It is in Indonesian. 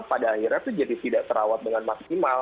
jadi banyak yang lebih prioritas yang harusnya dirawat maksimal